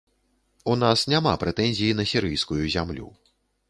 У нас няма прэтэнзій на сірыйскую зямлю.